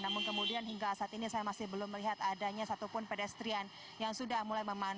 namun kemudian hingga saat ini saya masih belum melihat adanya satupun pedestrian yang sudah mulai memanfaatkan